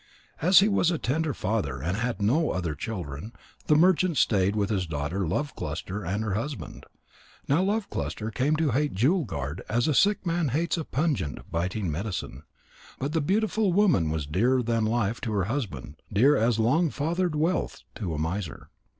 As he was a tender father and had no other children, the merchant stayed with his daughter Love cluster and her husband. Now Love cluster came to hate Jewel guard as a sick man hates a pungent, biting medicine. But the beautiful woman was dearer than life to her husband, dear as long fathered wealth to a miser.